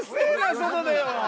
外でよ。